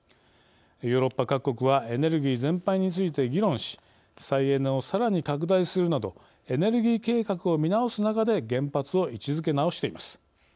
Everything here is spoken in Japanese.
ヨーロッパ各国はエネルギー全般について議論し再エネをさらに拡大するなどエネルギー計画を見直す中で原発を位置づけ直しています。